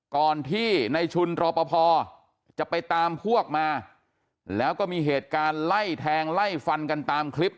ก่อนที่ในชุนรอปภจะไปตามพวกมาแล้วก็มีเหตุการณ์ไล่แทงไล่ฟันกันตามคลิป